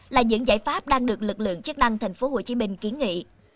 là những giải pháp đang được lực lượng chức năng tp hcm kiến nghị